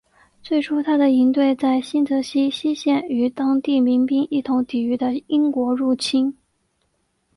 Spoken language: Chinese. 最初他的营队在新泽西西线与当地民兵一同抵御的英国入侵。